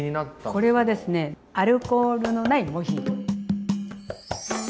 これはですねアルコールのないモヒート。